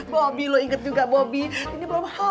bobi lo inget juga bobi ini belum halal